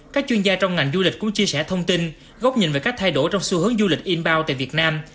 các chuyên gia trong ngành du lịch cũng chia sẻ thông tin gốc nhìn về các thay đổi trong xu hướng du lịch inbound tại việt nam